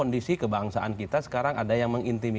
dikatakan oleh bang ali